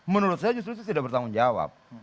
menurut saya justru saya tidak bertanggung jawab